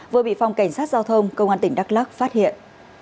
vừa bị phòng cảnh sát giao thông công an tỉnh đắk lắc phát hiện